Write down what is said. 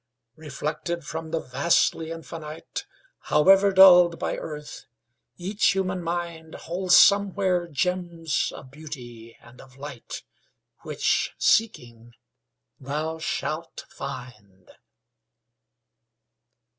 Reflected from the vastly Infinite, However dulled by earth, each human mind Holds somewhere gems of beauty and of light Which, seeking, thou shalt find.